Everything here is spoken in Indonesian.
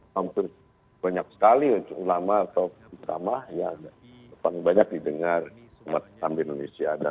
hampir banyak sekali ulama atau agama yang paling banyak didengar umat islam di indonesia